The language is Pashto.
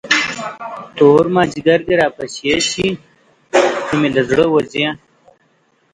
تور مازدیګر دې راپسې شي، که مې له زړه وځې.